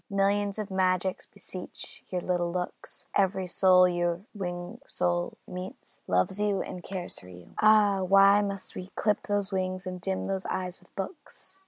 Millions of magics beseech your little looks; Every soul your winged soul meets, loves you and cares for you. Ah! why must we clip those wings and dim those eyes with books?